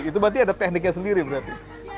itu berarti ada tekniknya sendiri berarti